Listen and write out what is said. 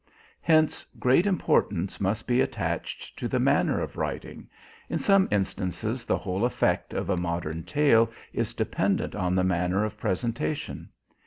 Hence great importance must be attached to the manner of writing; in some instances, the whole effect of a modern tale is dependent on the manner of presentation.